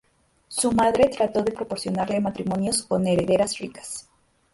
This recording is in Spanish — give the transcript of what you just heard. Su madre trató de proporcionarle matrimonios con herederas ricas.